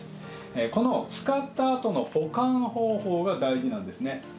この使った後の保管方法が大事なんですね。